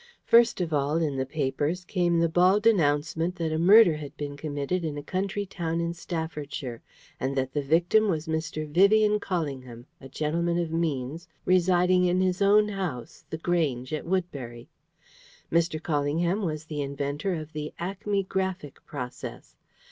First of all, in the papers, came the bald announcement that a murder had been committed in a country town in Staffordshire; and that the victim was Mr. Vivian Callingham, a gentleman of means, residing in his own house, The Grange, at Woodbury. Mr. Callingham was the inventor of the acmegraphic process.